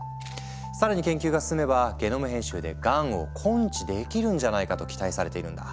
更に研究が進めばゲノム編集でがんを根治できるんじゃないかと期待されているんだ。